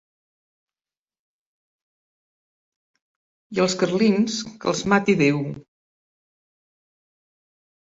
I als carlins que els mati Déu.